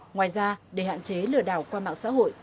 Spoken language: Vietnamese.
ngoài ra để hạn chế lừa đảo qua mạng xã hội